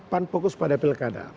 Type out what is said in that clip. pan fokus pada pilkada